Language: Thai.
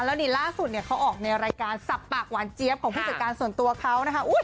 แล้วนี่ล่าสุดเนี่ยเขาออกในรายการสับปากหวานเจี๊ยบของผู้จัดการส่วนตัวเขานะคะ